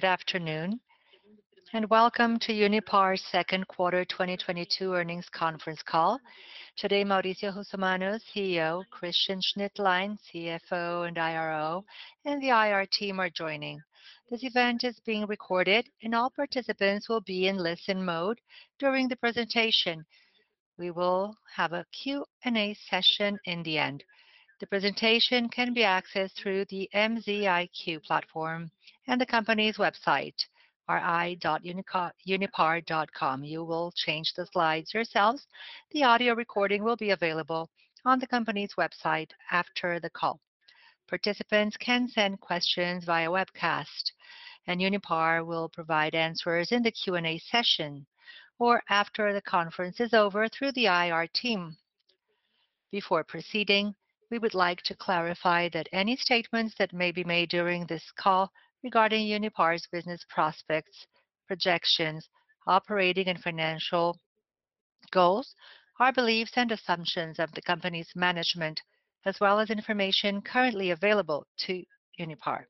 Good afternoon, and welcome to Unipar's Second Quarter 2022 Earnings Conference Call. Today, Maurício Russomanno, CEO, Christian Schnitzlein, CFO and IRO, and the IR team are joining. This event is being recorded, and all participants will be in listen mode during the presentation. We will have a Q&A session in the end. The presentation can be accessed through the MZiQ platform and the company's website, ri.unipar.com. You will change the slides yourselves. The audio recording will be available on the company's website after the call. Participants can send questions via webcast, and Unipar will provide answers in the Q&A session or after the conference is over through the IR team. Before proceeding, we would like to clarify that any statements that may be made during this call regarding Unipar's business prospects, projections, operating and financial goals are beliefs and assumptions of the company's management as well as information currently available to Unipar.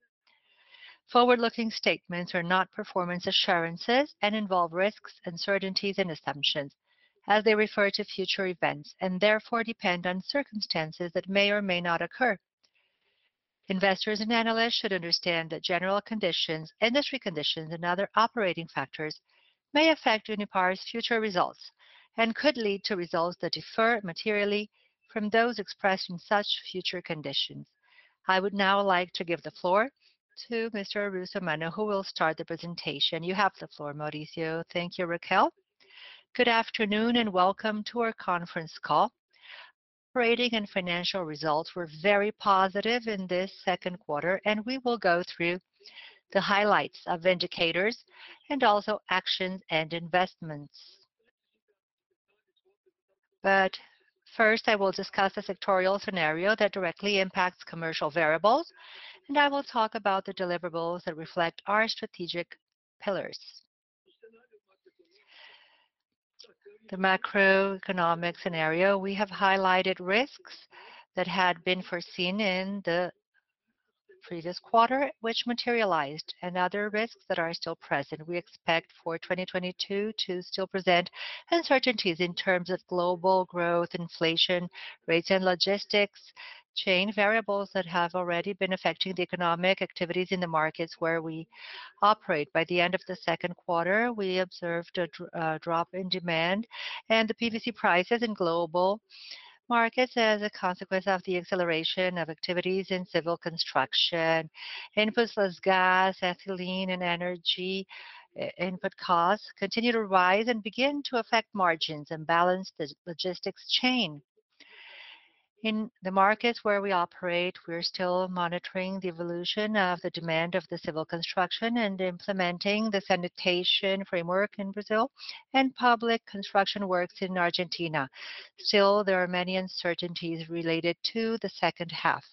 Forward-looking statements are not performance assurances and involve risks, uncertainties, and assumptions as they refer to future events and therefore depend on circumstances that may or may not occur. Investors and analysts should understand that general conditions, industry conditions, and other operating factors may affect Unipar's future results and could lead to results that differ materially from those expressed in such future conditions. I would now like to give the floor to Mr. Russomanno, who will start the presentation. You have the floor, Maurício. Thank you, Raquel. Good afternoon and welcome to our conference call. Operating and financial results were very positive in this second quarter, and we will go through the highlights of indicators and also actions and investments. First, I will discuss the sectoral scenario that directly impacts commercial variables, and I will talk about the deliverables that reflect our strategic pillars. The macroeconomic scenario, we have highlighted risks that had been foreseen in the previous quarter, which materialized, and other risks that are still present. We expect for 2022 to still present uncertainties in terms of global growth, inflation rates, and logistics chain variables that have already been affecting the economic activities in the markets where we operate. By the end of the second quarter, we observed a drop in demand and the PVC prices in global markets as a consequence of the acceleration of activities in civil construction. Inputs such as gas, ethylene, and energy, input costs continue to rise and begin to affect margins and balance the logistics chain. In the markets where we operate, we're still monitoring the evolution of the demand of the civil construction and implementing the sanitation framework in Brazil and public construction works in Argentina. There are many uncertainties related to the second half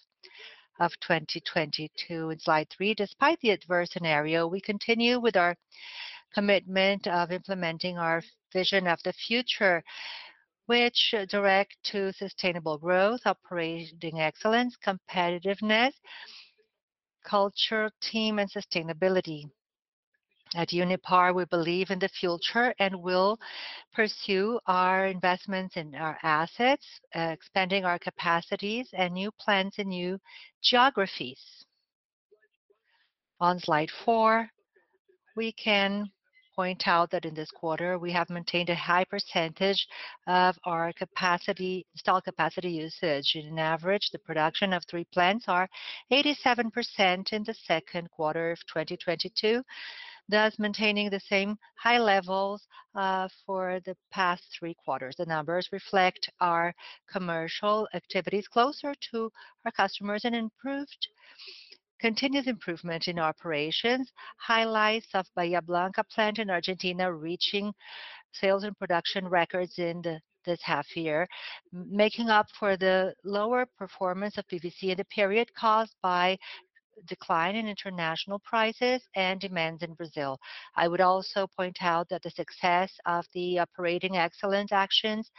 of 2022. In slide three, despite the adverse scenario, we continue with our commitment of implementing our vision of the future, which direct to sustainable growth, operating excellence, competitiveness, culture, team, and sustainability. At Unipar, we believe in the future and will pursue our investments in our assets, expanding our capacities and new plants in new geographies. On slide four, we can point out that in this quarter we have maintained a high percentage of our capacity, installed capacity usage. On average, the production of three plants was 87% in the second quarter of 2022, thus maintaining the same high levels for the past three quarters. The numbers reflect our commercial activities closer to our customers and continuous improvement in operations. Highlights of Bahía Blanca plant in Argentina reaching sales and production records in this half year, making up for the lower performance of PVC in the period caused by decline in international prices and demand in Brazil. I would also point out that the success of the operational excellence actions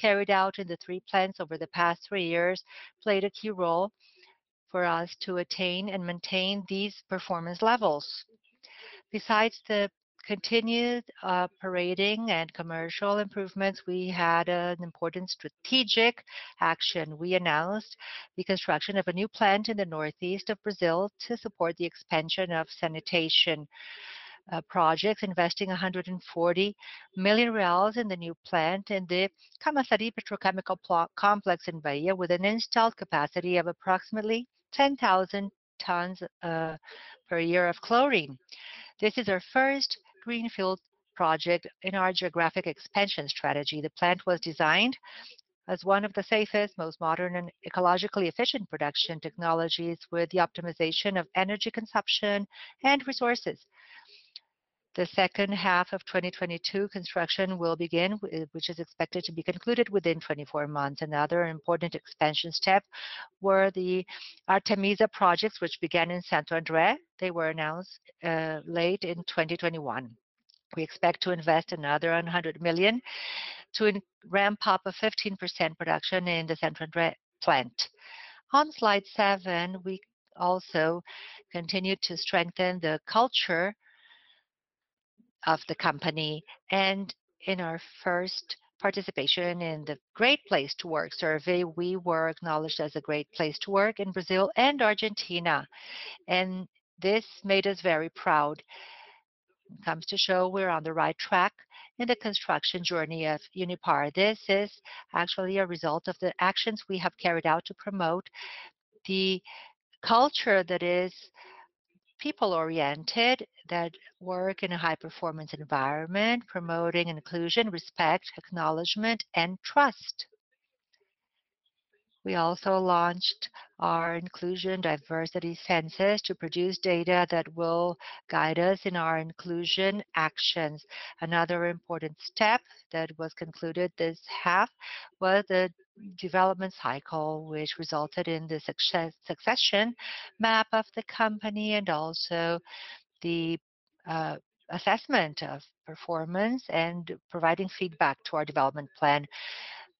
carried out in the three plants over the past three years played a key role for us to attain and maintain these performance levels. Besides the continued operating and commercial improvements, we had an important strategic action. We announced the construction of a new plant in the northeast of Brazil to support the expansion of sanitation projects, investing 140 million reais in the new plant in the Camaçari Petrochemical Complex in Bahia with an installed capacity of approximately 10,000 tons per year of chlorine. This is our first greenfield project in our geographic expansion strategy. The plant was designed as one of the safest, most modern and ecologically efficient production technologies with the optimization of energy consumption and resources. The second half of 2022 construction will begin, which is expected to be concluded within 24 months. Another important expansion step were the Artemísia projects, which began in Santo André. They were announced late in 2021. We expect to invest another 100 million to ramp up 15% production in the Santo André plant. On slide seven, we also continued to strengthen the culture of the company. In our first participation in the Great Place to Work survey, we were acknowledged as a great place to work in Brazil and Argentina. This made us very proud. It comes to show we're on the right track in the construction journey of Unipar. This is actually a result of the actions we have carried out to promote the culture that is people-oriented, that work in a high-performance environment, promoting inclusion, respect, acknowledgement, and trust. We also launched our inclusion diversity census to produce data that will guide us in our inclusion actions. Another important step that was concluded this half was the development cycle, which resulted in the succession map of the company and also the assessment of performance and providing feedback to our development plan.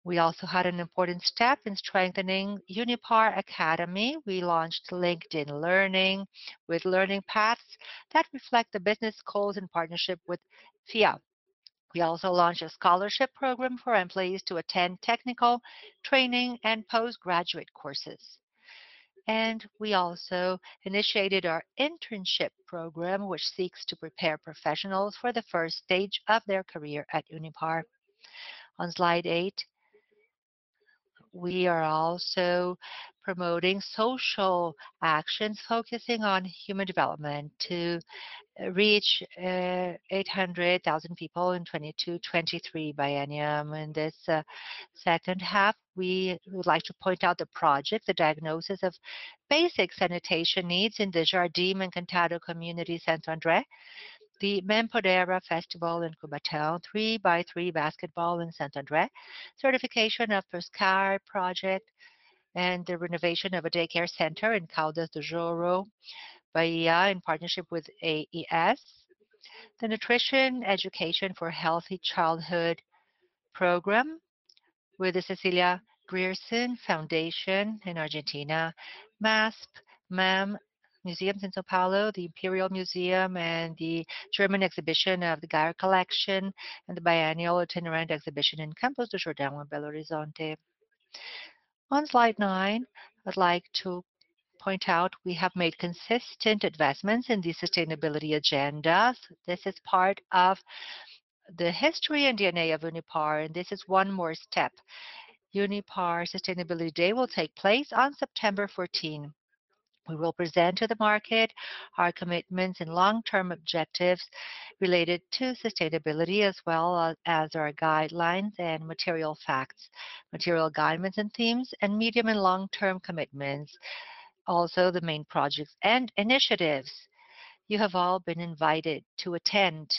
We also had an important step in strengthening Unipar Academy. We launched LinkedIn Learning with learning paths that reflect the business goals in partnership with FIA. We also launched a scholarship program for employees to attend technical training and post-graduate courses. We also initiated our internship program, which seeks to prepare professionals for the first stage of their career at Unipar. On slide eight, we are also promoting social actions focusing on human development to reach 800,000 people in 2022-2023 biennium. In this second half, we would like to point out the project, the diagnosis of basic sanitation needs in the Jardim Encantado community, Santo André. The Mempodera Festival in Cubatão, three by three basketball in Santo André, certification of Pescar project, and the renovation of a daycare center in Caldas do Jorro, Bahia, in partnership with AES. The Nutrition Education for Healthy Childhood program with the Fundación Cecilia Grierson in Argentina. MASP, MAM museums in São Paulo, the Imperial Museum, and the German Exhibition of the Geyer Collection, and the biennial itinerant exhibition in Campos do Jordão and Belo Horizonte. On slide nine, I'd like to point out we have made consistent investments in the sustainability agenda. This is part of the history and DNA of Unipar, and this is one more step. Unipar Sustainability Day will take place on September 14. We will present to the market our commitments and long-term objectives related to sustainability, as well as our guidelines and material facts, material guidelines and themes, and medium and long-term commitments. Also, the main projects and initiatives. You have all been invited to attend.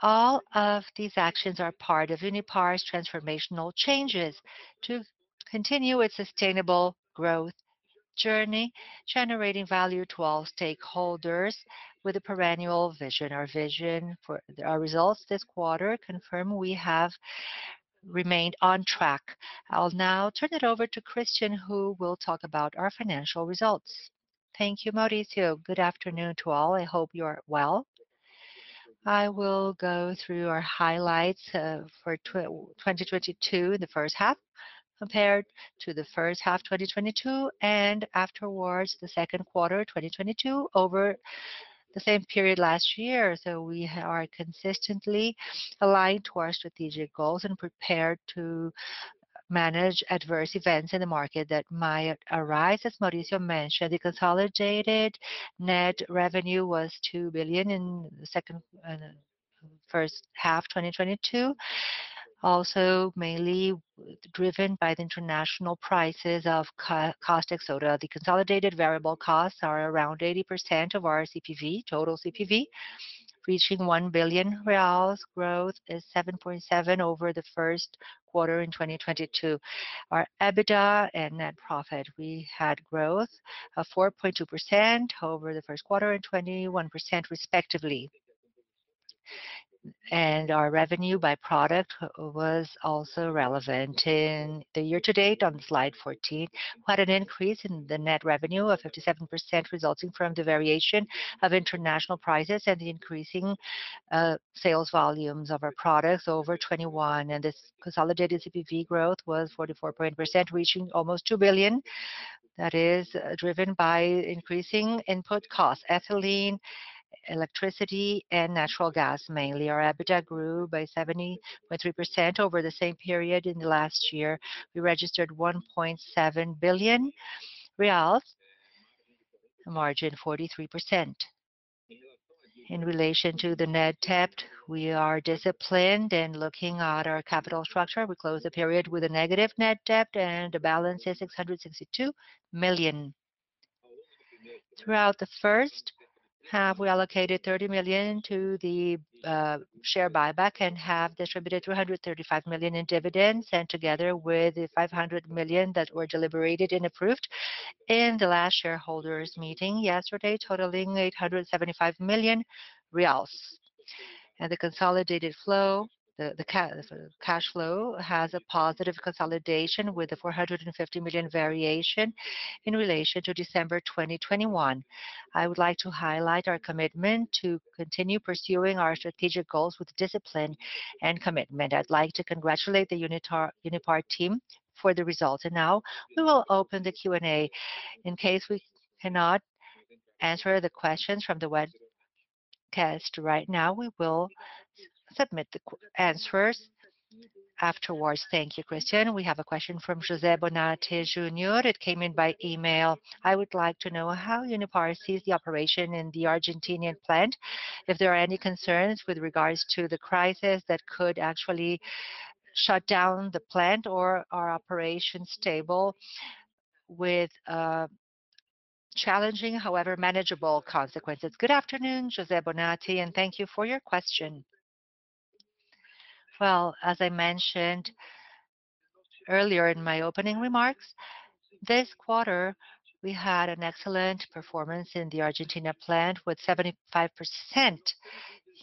All of these actions are part of Unipar's transformational changes to continue its sustainable growth journey, generating value to all stakeholders with a perennial vision. Our results this quarter confirm we have remained on track. I'll now turn it over to Christian, who will talk about our financial results. Thank you, Maurício. Good afternoon to all. I hope you're well. I will go through our highlights for the first half 2022, compared to the first half 2021, and afterwards the second quarter 2022 over the same period last year. We are consistently aligned to our strategic goals and prepared to manage adverse events in the market that might arise. As Maurício mentioned, the consolidated net revenue was 2 billion in the first half 2022, also mainly driven by the international prices of caustic soda. The consolidated variable costs are around 80% of our CPV, total CPV, reaching 1 billion reais. Growth is 7.7% over the first quarter in 2022. Our EBITDA and net profit, we had growth of 4.2% over the first quarter and 21% respectively. Our revenue by product was also relevant. In the year to date on slide 14, we had an increase in the net revenue of 57% resulting from the variation of international prices and the increasing sales volumes of our products over 2021. This consolidated CPV growth was 44%, reaching almost 2 billion. That is driven by increasing input costs, ethylene, electricity, and natural gas, mainly. Our EBITDA grew by 73% over the same period in the last year. We registered 1.7 billion reais, margin 43%. In relation to the net debt, we are disciplined and looking at our capital structure. We closed the period with a negative net debt, and the balance is BRL 662 million. Throughout the first half, we allocated 30 million to the share buyback and have distributed 235 million in dividends, and together with the 500 million that were deliberated and approved in the last shareholders meeting yesterday, totaling 875 million reais. The consolidated cash flow has a positive consolidation with a 450 million variation in relation to December 2021. I would like to highlight our commitment to continue pursuing our strategic goals with discipline and commitment. I'd like to congratulate the Unipar team for the results. Now we will open the Q&A. In case we cannot answer the questions from the webcast right now, we will submit the Q&A answers afterwards. Thank you, Christian. We have a question from José Bonati Junior. It came in by email. I would like to know how Unipar sees the operation in the Argentinian plant, if there are any concerns with regards to the crisis that could actually shut down the plant or are operations stable with challenging, however manageable consequences. Good afternoon, José Bonati, and thank you for your question. Well, as I mentioned earlier in my opening remarks, this quarter we had an excellent performance in the Argentina plant with 75%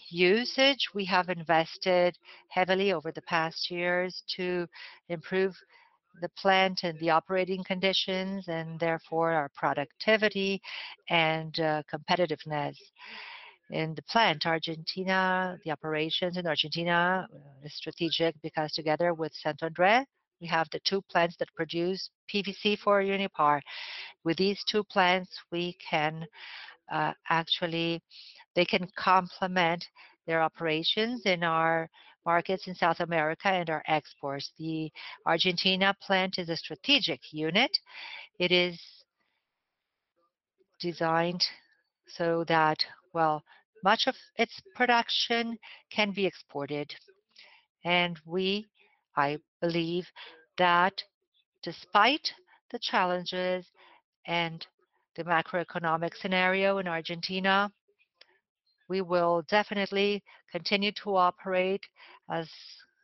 usage. We have invested heavily over the past years to improve the plant and the operating conditions and therefore our productivity and competitiveness in the plant. Argentina, the operations in Argentina is strategic because together with Santo André, we have the two plants that produce PVC for Unipar. With these two plants, we can. They can complement their operations in our markets in South America and our exports. The Argentina plant is a strategic unit. It is designed so that, well, much of its production can be exported. We, I believe that despite the challenges and the macroeconomic scenario in Argentina, we will definitely continue to operate as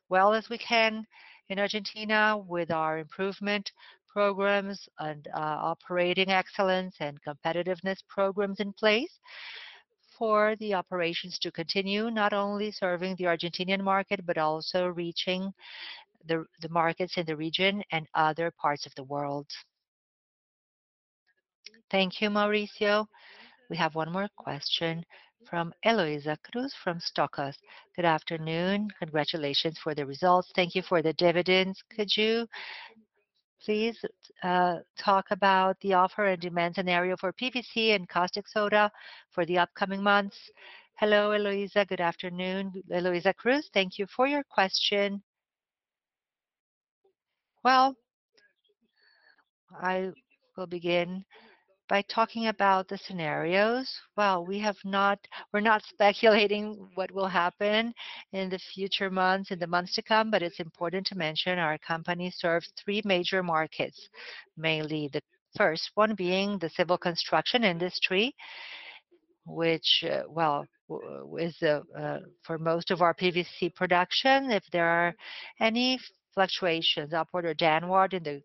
well as we can in Argentina with our improvement programs and operating excellence and competitiveness programs in place for the operations to continue not only serving the Argentinian market but also reaching the markets in the region and other parts of the world. Thank you, Maurício. We have one more question from Heloísa Cruz from Stoxos. Good afternoon. Congratulations for the results. Thank you for the dividends. Could you please talk about the supply and demand scenario for PVC and caustic soda for the upcoming months? Hello, Heloísa. Good afternoon, Heloísa Cruz. Thank you for your question. Well, I will begin by talking about the scenarios. Well, we're not speculating what will happen in the future months, in the months to come, but it's important to mention our company serves three major markets, mainly the first one being the civil construction industry, which is for most of our PVC production. If there are any fluctuations, upward or downward in the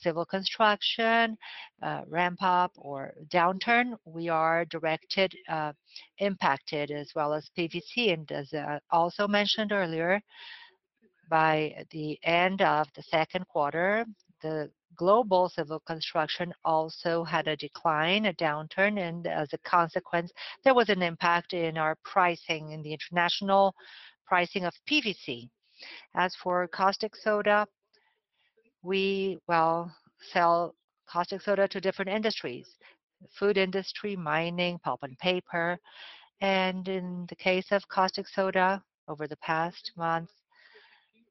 civil construction ramp up or downturn, we are directly impacted as well as PVC. As also mentioned earlier, by the end of the second quarter, the global civil construction also had a decline, a downturn. As a consequence, there was an impact in our pricing, in the international pricing of PVC. As for caustic soda, we, well, sell caustic soda to different industries: food industry, mining, pulp and paper. In the case of caustic soda over the past months,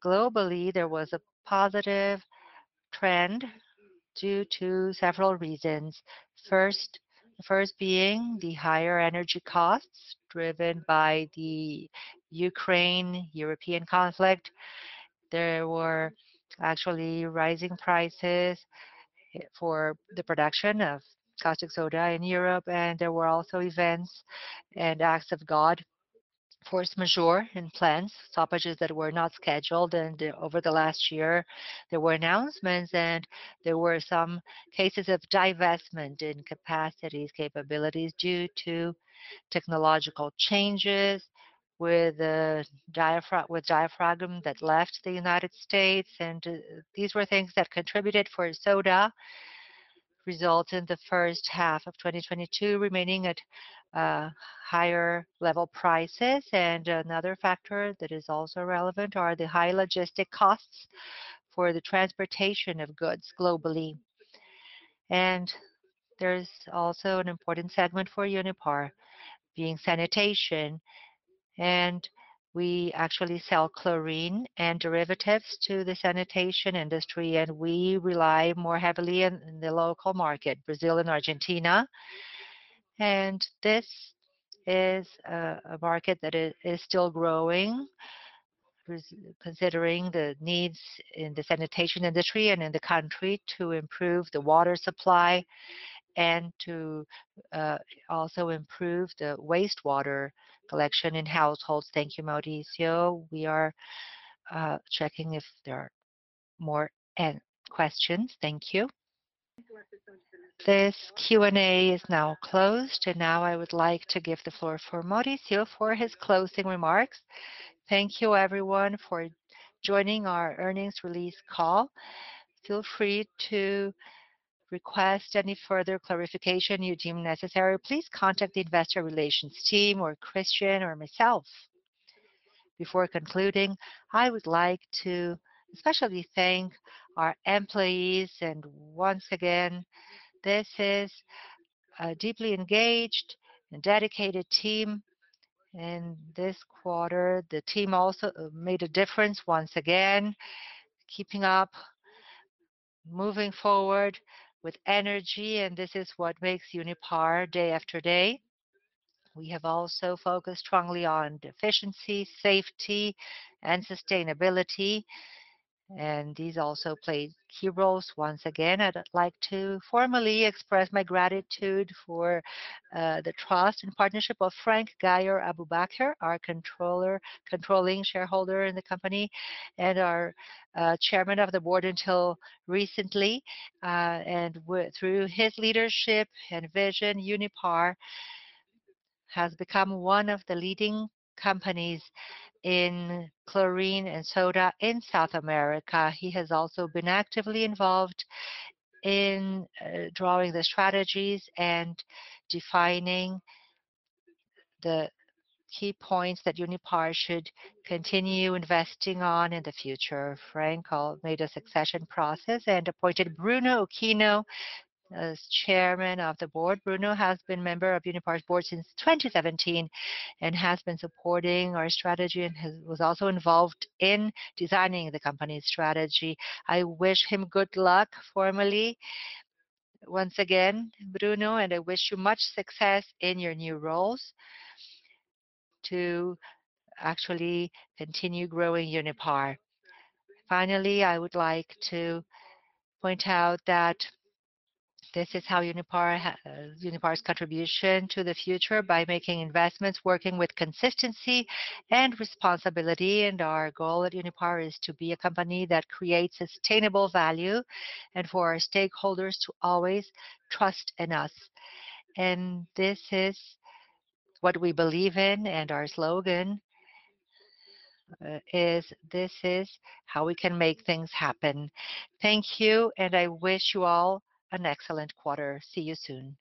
globally, there was a positive trend due to several reasons. First, being the higher energy costs driven by the Ukraine-European conflict. There were actually rising prices for the production of caustic soda in Europe, and there were also events and acts of God, force majeure in plants, stoppages that were not scheduled. Over the last year there were announcements and there were some cases of divestment in capacities, capabilities due to technological changes with the diaphragm that left the United States. These were things that contributed for soda results in the first half of 2022 remaining at higher level prices. Another factor that is also relevant are the high logistic costs for the transportation of goods globally. There's also an important segment for Unipar being sanitation. We actually sell chlorine and derivatives to the sanitation industry, and we rely more heavily on the local market, Brazil and Argentina. This is a market that is still growing, considering the needs in the sanitation industry and in the country to improve the water supply and to also improve the wastewater collection in households. Thank you, Maurício. We are checking if there are more questions. Thank you. This Q&A is now closed. Now I would like to give the floor for Maurício for his closing remarks. Thank you everyone for joining our earnings release call. Feel free to request any further clarification you deem necessary. Please contact the investor relations team or Christian or myself. Before concluding, I would like to especially thank our employees. Once again, this is a deeply engaged and dedicated team. This quarter the team also made a difference once again, keeping up, moving forward with energy, and this is what makes Unipar day after day. We have also focused strongly on efficiency, safety and sustainability, and these also play key roles. Once again, I'd like to formally express my gratitude for the trust and partnership of Frank Geyer Abubakir, our controlling shareholder in the company and our Chairman of the Board until recently, through his leadership and vision, Unipar has become one of the leading companies in chlorine and soda in South America. He has also been actively involved in drawing the strategies and defining the key points that Unipar should continue investing on in the future. Frank Geyer Abubakir made a succession process and appointed Bruno Uchino as Chairman of the Board. Bruno has been member of Unipar's board since 2017 and has been supporting our strategy and was also involved in designing the company's strategy. I wish him good luck formally once again, Bruno, and I wish you much success in your new roles to actually continue growing Unipar. Finally, I would like to point out that this is how Unipar's contribution to the future by making investments, working with consistency and responsibility. Our goal at Unipar is to be a company that creates sustainable value and for our stakeholders to always trust in us. This is what we believe in, and our slogan is, "This is how we can make things happen." Thank you, and I wish you all an excellent quarter. See you soon.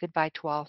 Goodbye to all.